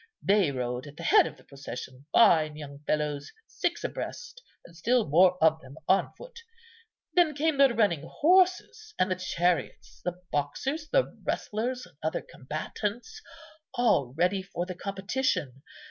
They rode at the head of the procession, fine young fellows, six abreast; and still more of them on foot. Then came the running horses and the chariots, the boxers, the wrestlers, and other combatants, all ready for the competition.